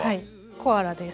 コアラです。